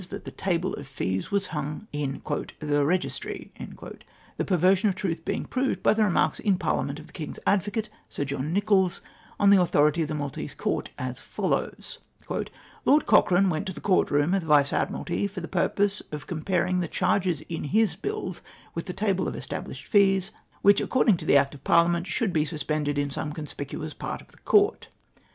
tliat the table of fees Avas hung in " the Registry ;" the jDerversion of truth being 2:)roved by the remarks in Parliament of the King's Advocate, Sir John Nicholls, on the authority of the Maltese Court, as follows :—" Lord Cochrane went to the court room of the Vice Admiralty, for the piu pose of comparing the charges in his bihs Avith the table of established fees, which, according to Act of Parliament, ' should be suspended in some conspicuous part of the Court.'